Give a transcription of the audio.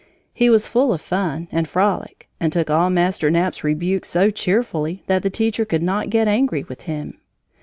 He was full of fun and frolic and took all Master Knapp's rebukes so cheerfully that the teacher could not get angry with him.